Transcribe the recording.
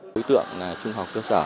với tượng là trung học cơ sở